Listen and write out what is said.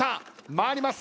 参ります。